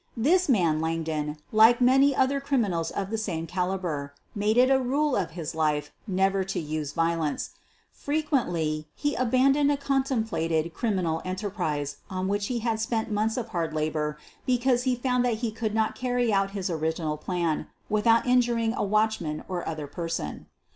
This man Langdon, like many other criminals of the same caliber, made it a rule of his life never to use violence. Frequently he abandoned a con templated criminal enterprise upon which he had spent months of hard work because he found that QUEEN OF THE BUEGLAES 261 he could not carry out his original plan without in juring a watchman or other person.